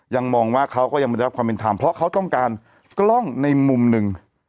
มองว่าเขาก็ยังไม่ได้รับความเป็นธรรมเพราะเขาต้องการกล้องในมุมหนึ่ง